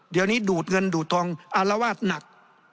เดี๋ยวนี้ดูดเงินดูดทองอารวาสหนัก